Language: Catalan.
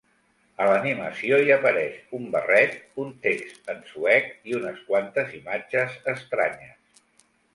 A l'animació hi apareix un barret, un text en suec i unes quantes imatges estranyes.